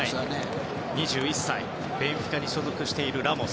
２１歳、ベンフィカに所属しているラモス。